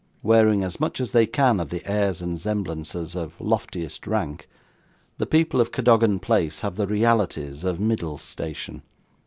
Wearing as much as they can of the airs and semblances of loftiest rank, the people of Cadogan Place have the realities of middle station.